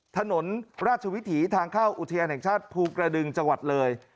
ถนนราชวิถีทางเข้าอุทยานแห่งชาติภูกระดึงจังหวัดเลย